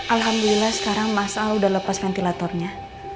alhamdulillah sekarang mas al udah lepas ventilatornya